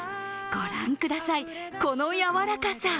御覧ください、この柔らかさ。